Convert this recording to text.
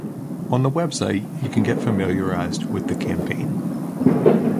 On the website you can get familiarized with the campaign.